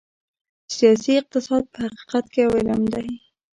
سیاسي اقتصاد په حقیقت کې یو علم دی.